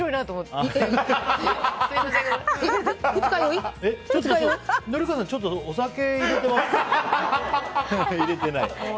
緑子さん、ちょっとお酒入れてますか？